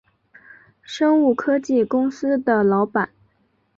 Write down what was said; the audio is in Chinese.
生物科技公司的老板